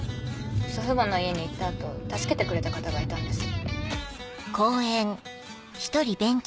祖父母の家に行った後助けてくれた方がいたんです。